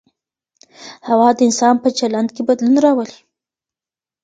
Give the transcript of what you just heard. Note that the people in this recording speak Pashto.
هوا د انسان په چلند کي بدلون راولي.